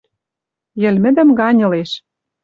Йӹлмӹдӹм гань ылеш